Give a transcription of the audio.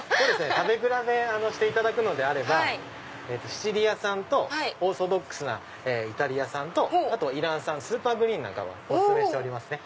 食べ比べしていただくのであればシチリア産とオーソドックスなイタリア産とイラン産スーパーグリーンもお薦めしておりますね。